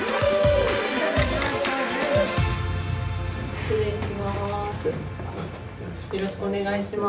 失礼します。